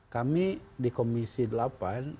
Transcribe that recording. kami di komisi delapan sangat concern terhadap itu semua